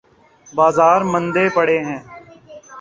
بازار مندے پڑے ہیں۔